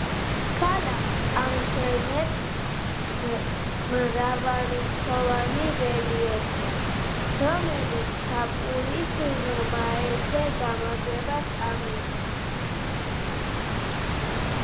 ქალაქს ამშვენებს მრავალრიცხოვანი რელიეფები, რომელიც შაპურის რომაელებზე გამარჯვებას აღნიშნავენ.